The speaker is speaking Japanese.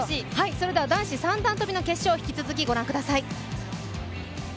それでは男子三段跳の決勝引き続きご覧ください。